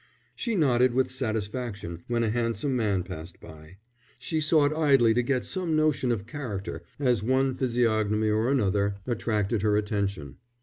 She nodded with satisfaction when a handsome man passed by. She sought idly to get some notion of character as one physiognomy or another attracted her attention.